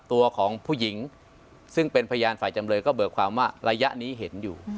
ตัวของผู้หญิงซึ่งเป็นพยานฝ่ายจำเลยก็เบิกความว่าระยะนี้เห็นอยู่